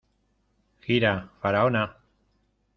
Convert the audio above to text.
Gira, ¡Faraona!